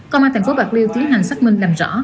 công an thành phố bạc liêu tiến hành xác minh làm rõ